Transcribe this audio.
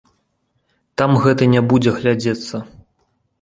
Там гэта не будзе глядзецца.